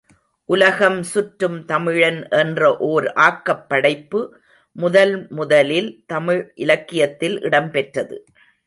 உலகம் சுற்றும் தமிழன் என்ற ஓர் ஆக்கப் படைப்பு முதல் முதலில் தமிழ் இலக்கியத்தில் இடம் பெற்றது.